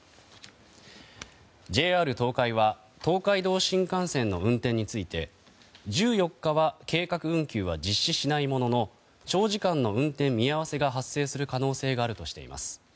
ＪＲ東海は東海道新幹線の運転について１４日は計画運休は実施しないものの長時間の運転見合わせが発生する可能性があるとしています。